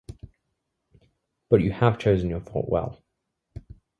But you have chosen your fault well.